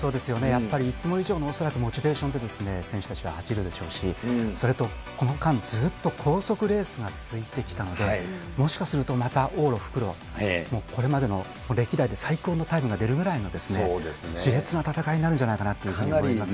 やっぱりいつも以上の恐らくモチベーションで選手たちは走るでしょうし、それとこの間、高速レースが続いてきたので、もしかするとまた往路、復路とこれまでの歴代で最高のタイムが出るぐらいの、しれつな戦いになるんじゃないかなと思いますね。